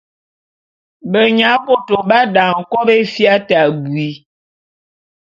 Benya bôto b’adane kòbo éfia te abui.